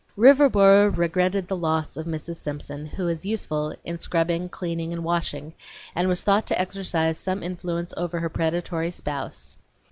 Riverboro regretted the loss of Mrs. Simpson, who was useful in scrubbing, cleaning, and washing, and was thought to exercise some influence over her predatory spouse.